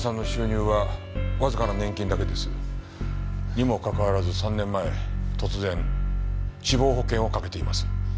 にもかかわらず３年前突然死亡保険を掛けています。